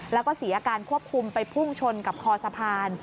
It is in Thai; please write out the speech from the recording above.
แล้วก็เสียอาการควบคุมไปพุ่งชนกับคอสะพาน